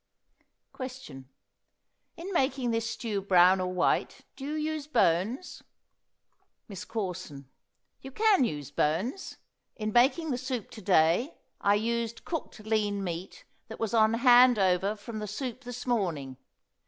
Question. In making this stew brown or white do you use bones? MISS CORSON. You can use bones. In making the soup to day I used cooked lean meat that was on hand over from the soup this morning.